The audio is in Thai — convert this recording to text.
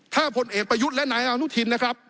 ถ้าพลเอกประยุทธ์และนายอนุทินนะครับ